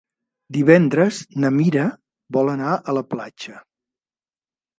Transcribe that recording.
Divendres na Mira vol anar a la platja.